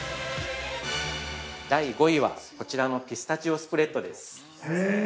◆第５位は、こちらのピスタチオスプレッドです。